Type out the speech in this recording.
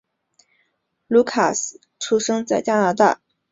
卢卡斯出生在加拿大。